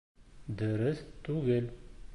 Дөрөҫ түгел